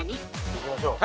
いきましょう。